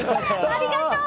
ありがとう！